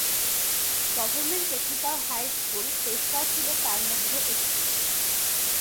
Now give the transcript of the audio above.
Gov technical high school, Tejgaon ছিল তার মধ্যে একটি।